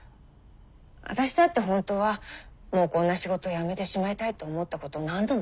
私だって本当はもうこんな仕事やめてしまいたいと思ったこと何度もあるわ。